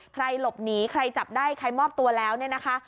ใครหลบหนีใครจับได้ใครมอบตัวแล้วเนี่ยนะคะ